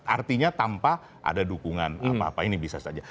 artinya tanpa ada dukungan apa apa ini bisa saja